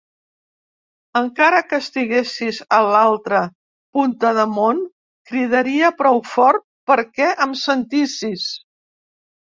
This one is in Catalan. Encara que estiguessis a l'altra punta de món, cridaria prou fort perquè em sentissis.